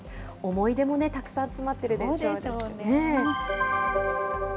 思い出もたくさん詰まっているんでしょうね。